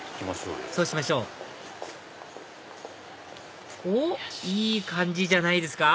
そうしましょうおっいい感じじゃないですか？